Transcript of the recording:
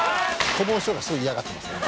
こぼん師匠がすごい嫌がってますね。